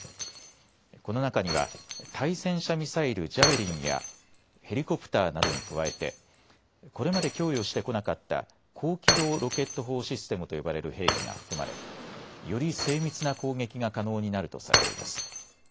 この中には対戦車ミサイル、ジャベリンやヘリコプターなどに加えてこれまで供与してこなかった高機動ロケット砲システムと呼ばれる兵器が含まれより精密な攻撃が可能になるとされています。